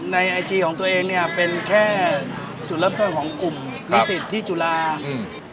ไอจีของตัวเองเนี้ยเป็นแค่จุดเริ่มต้นของกลุ่มนิสิตที่จุฬาอืม